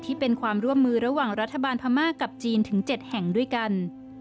ที่เป็นความร่วมมือระหว่างรัฐบาลพม่ากับจีนถึง๗แห่งด้วยกัน